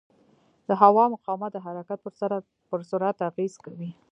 د هوا مقاومت د حرکت پر سرعت اغېز کوي.